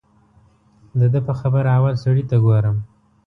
د ده په خبره اول سړي ته ګورم.